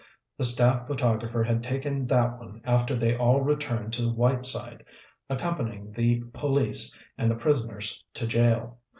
The staff photographer had taken that one after they all returned to Whiteside, accompanying the police and the prisoners to jail.